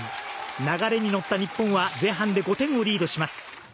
流れに乗った日本は前半で５点をリードします。